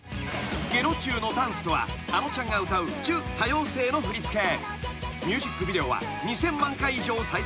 ［ゲロチューのダンスとはあのちゃんが歌う『ちゅ、多様性。』の振り付け］